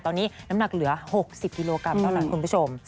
ตอนนี้น้ำหนักเหลือ๖๐กิโลกรัมเท่านั้นคุณผู้ชม